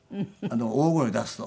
大声を出すと。